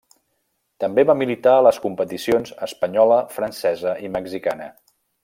També va militar a les competicions espanyola, francesa i mexicana.